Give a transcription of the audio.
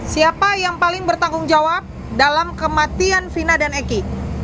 siapa yang paling bertanggung jawab dalam kematian vina dan eki